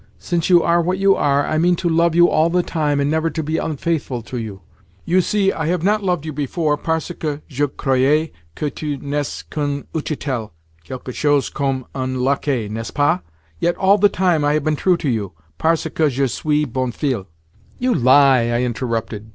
Since you are what you are, I mean to love you all the time, and never to be unfaithful to you. You see, I have not loved you before parce que je croyais que tu n'es qu'un utchitel (quelque chose comme un lacquais, n'est ce pas?) Yet all the time I have been true to you, parce que je suis bonne fille." "You lie!" I interrupted.